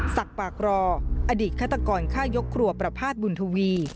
สักปากรออดิษฐ์ฆาตกรฆ่ายกครัวประภาษฐ์บุญทวี